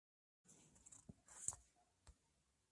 Juntos escribieron el libro "Inspirar: el arte de vivir mejor".